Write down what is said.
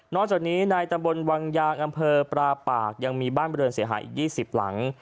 จากนี้ในตำบลวังยางอำเภอปราปากยังมีบ้านบริเวณเสียหายอีก๒๐หลัง